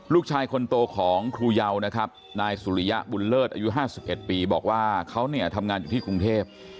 ลูกชายคนโตของครูเยานะครับนายสุริยะบุญเลิศอายุ๕๑ปีบอกว่าเขาเนี่ยทำงานอยู่ที่กรุงเทพ